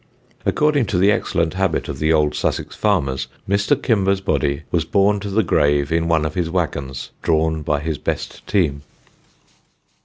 According to the excellent habit of the old Sussex farmers, Mr. Kimber's body was borne to the grave in one of his wagons, drawn by his best team.